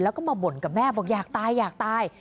แล้วก็มาบ่นกับแม่บอกอยากตายอยากตาย